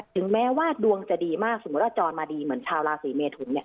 ถึงแม้ว่าดวงจะดีมากสมมุติว่าจรมาดีเหมือนชาวราศีเมทุนเนี่ย